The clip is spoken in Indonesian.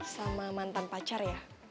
sama mantan pacar ya